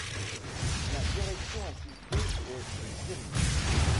La direction assistée est de série.